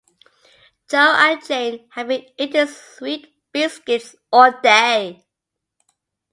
Jo and Jane have been eating sweet biscuits all day.